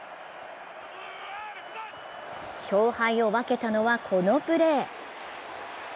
勝敗を分けたのはこのプレー。